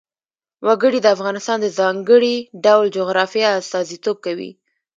وګړي د افغانستان د ځانګړي ډول جغرافیه استازیتوب کوي.